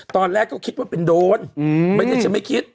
ตอนแรกก็คิดว่าเป็นโดนไม่ได้จะไม่คิด